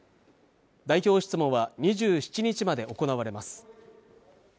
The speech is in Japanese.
代表質問は２７日まで行われます